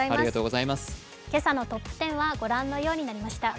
今朝のトップ１０はご覧のようになりました。